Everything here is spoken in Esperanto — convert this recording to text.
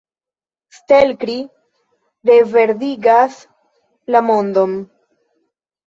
Stelkri reverdigas la mondon.